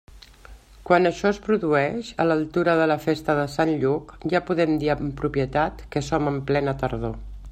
Quan això es produeix, a l'altura de la festa de Sant Lluc, ja podem dir amb propietat que som en plena tardor.